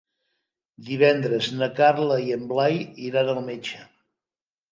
Divendres na Carla i en Blai iran al metge.